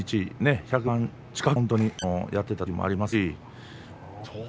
一日１００番近く本当にやっていたときもありますし。